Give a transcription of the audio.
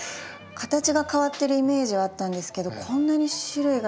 形が変わってるイメージはあったんですけどこんなに種類がたくさんあるんですね。